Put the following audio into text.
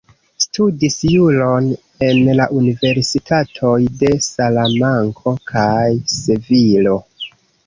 Studis juron en la universitatoj de Salamanko kaj Sevilo.